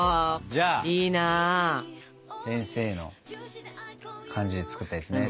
じゃあ先生の感じで作ったやつね。